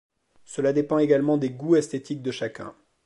Cela dépend également des goûts esthétiques de chacun.